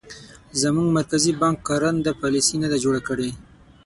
زموږ مرکزي بانک کارنده پالیسي نه ده جوړه کړې.